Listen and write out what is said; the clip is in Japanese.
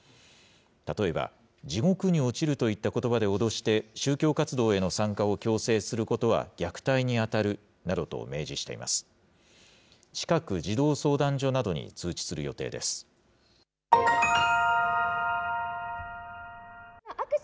例えば、地獄に落ちるといったことばで脅して、宗教活動への参加を強制することは虐待に当たるなどと明示しています。